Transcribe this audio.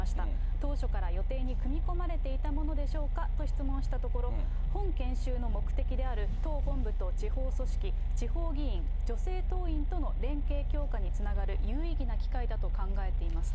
当初から予定に組み込まれていたものでしょうか？と質問したところ、本研修の目的である、党本部と地方組織、地方議員、女性党員との連携強化につながる有意義な機会だと考えていますと。